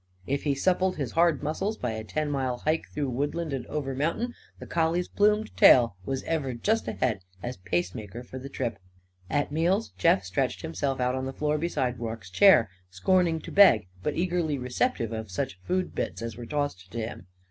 If he suppled his hard muscles by a ten mile hike through woodland and over mountain, the collie's plumed tail was ever just ahead, as pacemaker for the trip. At meals Jeff stretched himself out on the floor beside Rorke's chair, scorning to beg, but eagerly receptive of such food bits as were tossed to him.